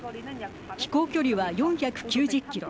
飛行距離は４９０キロ。